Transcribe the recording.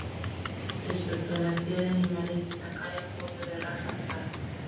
Respecto a la cría de animales, destacar el pollo de raza Prat.